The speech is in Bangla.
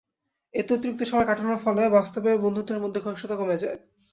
এতে অতিরিক্ত সময় কাটানোর ফলে বাস্তবের বন্ধুত্বের মধ্যে ঘনিষ্ঠতা কমে যায়।